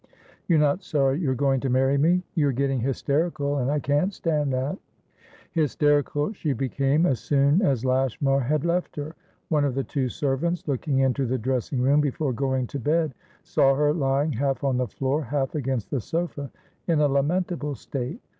"You're not sorry you're going to marry me?" "You're getting hysterical, and I can't stand that." Hysterical she became as soon as Lashmar had left her. One of the two servants, looking into the dressing room before going to bed, saw her lying, half on the floor, half against the sofa, in a lamentable state.